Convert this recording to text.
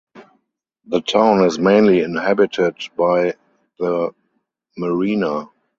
The town is mainly inhabited by the Merina.